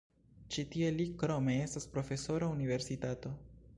Ĉi tie li krome estas profesoro universitato.